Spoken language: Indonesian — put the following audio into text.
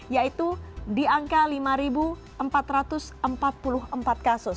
yaitu di angka lima empat ratus empat puluh empat kasus